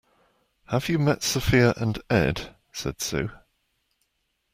Have you met Sophia and Ed? said Sue.